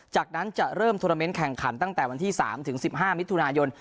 จากนั้นจะเริ่มโทรเมนต์แข่งขันตั้งแต่วันที่๓ถึง๑๕มิถุนายน